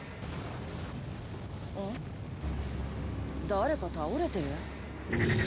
誰か倒れてる？